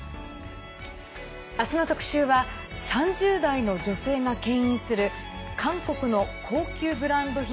明日の特集は３０代の女性がけん引する韓国の高級ブランド品